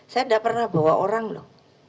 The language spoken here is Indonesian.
saya tidak pernah bawa orang loh